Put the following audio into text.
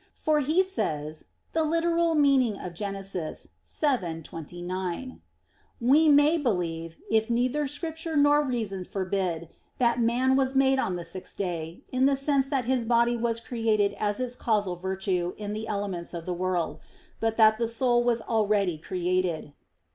For he says (Gen. ad lit. vii, 29): "We may believe, if neither Scripture nor reason forbid, that man was made on the sixth day, in the sense that his body was created as to its causal virtue in the elements of the world, but that the soul was already created."